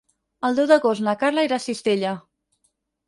El deu d'agost na Carla irà a Cistella.